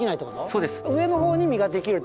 そうです。